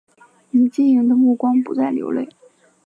你晶莹的目光不再流泪